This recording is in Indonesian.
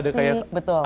dan akhirnya toxic betul